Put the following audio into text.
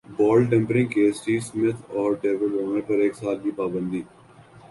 بال tampering case Steve Smith اور David Warner پر ایک سال کی پابندی